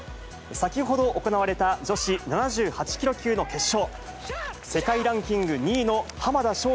先ほど行われた女子７８キロ級の決勝。